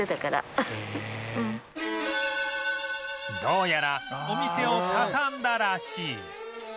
どうやらお店を畳んだらしい